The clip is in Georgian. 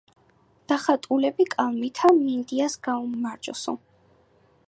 დახატულები კალმითა,"მინდიას გაუმარჯოსო"